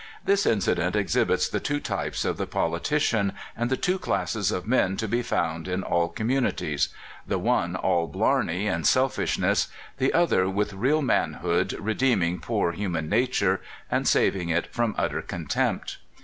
This incident exhibits the two types of the poli tician, and the two classes of men to be found in all communities — the one all blarney and self THE CALIFORNIA POLITICIAN. 259 i( ishness, the other with real manhood redeemin poor human nature, and saving it from utter con tempt.